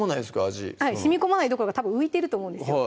味しみこまないどころかたぶん浮いてると思うんですよ